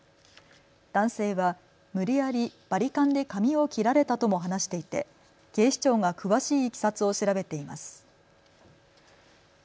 男性は無理やりバリカンで髪を切られたとも話していて警視庁が詳しいいきさつを調べています。